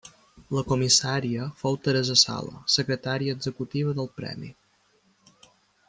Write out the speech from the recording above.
La comissària fou Teresa Sala, secretària executiva del Premi.